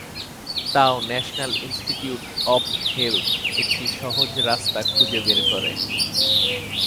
তাও National Institute of Health একটি সহজ রাস্তা খুঁজে বের করে।